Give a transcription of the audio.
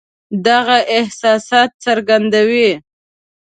دغه احساسات څرګندوي.